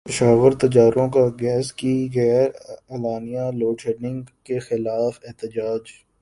پشاور تاجروں کا گیس کی غیر اعلانیہ لوڈشیڈنگ کیخلاف احتجاج